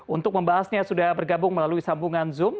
untuk membahasnya sudah bergabung melalui sambungan zoom